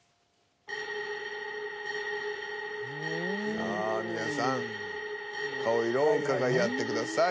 さあ皆さん顔色をうかがい合ってください。